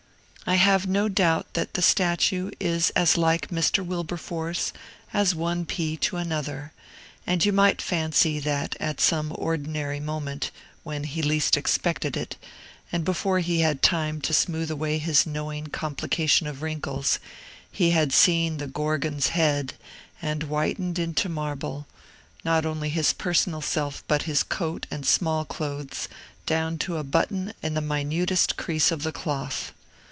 I have no doubt that the statue is as like Mr. Wilberforce as one pea to another, and you might fancy, that, at some ordinary moment, when he least expected it, and before he had time to smooth away his knowing complication of wrinkles, he had seen the Gorgon's head, and whitened into marble, not only his personal self, but his coat and small clothes, down to a button and the minutest crease of the cloth.